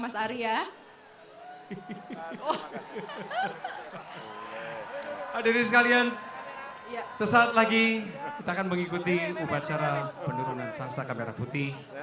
sesaat lagi kita akan mengikuti upacara penurunan sangsa kamera putih